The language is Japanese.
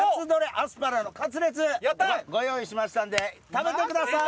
アスパラのカツレツをご用意しましたので食べてください。